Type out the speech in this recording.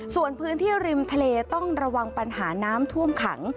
ส่วนพื้นที่ริมทะเลต้องระวังปัญหาน้ำท่วมขัง